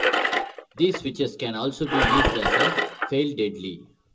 These switches can also be used as a fail-deadly.